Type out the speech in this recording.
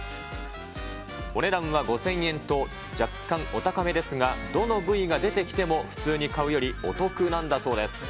お値段は５０００円と、若干お高めですが、どの部位が出てきても普通に買うよりお得なんだそうです。